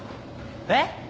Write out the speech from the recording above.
えっ！